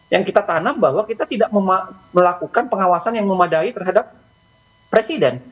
yang kita tanam bahwa kita tidak melakukan pengawasan yang memadai terhadap presiden